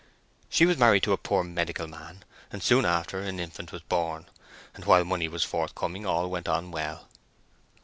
She was married to a poor medical man, and soon after an infant was born; and while money was forthcoming all went on well.